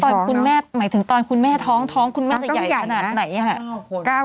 คุณแม่หมายถึงตอนคุณแม่ท้องคุณแม่จะใหญ่ขนาดไหนค่ะ